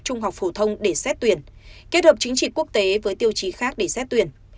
trung học phổ thông để xét tuyển kết hợp chính trị quốc tế với tiêu chí khác để xét tuyển